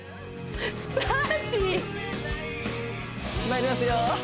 まいりますよ